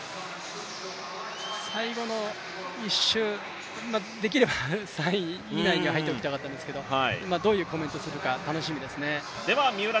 最後の１周、できれば、３位以内には入っておきたかったんですけどどういうコメントをするか楽しみですね。